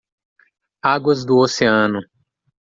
Águas do oceano.